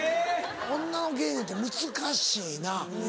女の芸人って難しいな。